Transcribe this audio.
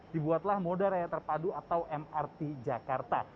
dibuatlah moda raya terpadu atau mrt jakarta